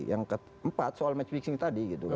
yang keempat soal match fixing tadi gitu